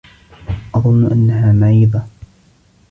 أظن أنها مريضة.